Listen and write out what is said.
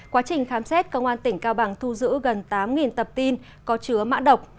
quá trình khám xét công an tỉnh cao bằng thu giữ gần tám tập tin có chứa mã độc